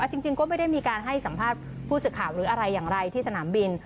จริงก็ไม่ได้มีการให้สัมภาษณ์ผู้สื่อข่าวหรืออะไรอย่างไรที่สนามบิน